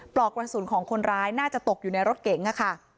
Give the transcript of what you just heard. ปลอกกระสุนของคนร้ายน่าจะตกอยู่ในรถเก๋งค่ะ